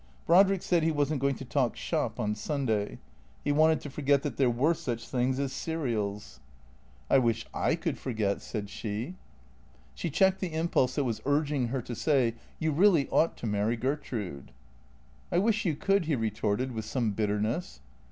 Brodrick said he was n't going to talk shop on Sunday. He wanted to forget that there were such things as serials. 348 THE CREATORS " I wish I could forget," said she. She checked the impulse that was urging her to say, " You really ought to marry Gertrude." " I wish you could," he retorted, with some bitterness.